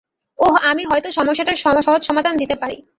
ওহ, আমি হয়তো সমস্যাটার সহজ সমাধান দিতে পারি।